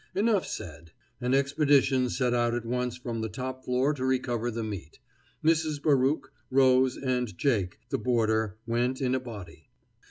Enough said. An expedition set out at once from the top floor to recover the meat. Mrs. Baruch, Rose, and Jake, the boarder, went in a body.